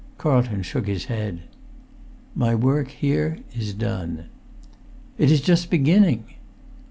Carlton shook his head. "My work here is done." "It is just beginning!"